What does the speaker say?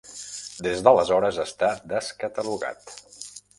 Des d'aleshores està descatalogat.